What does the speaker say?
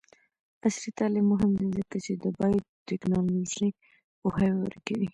عصري تعلیم مهم دی ځکه چې د بایوټیکنالوژي پوهاوی ورکوي.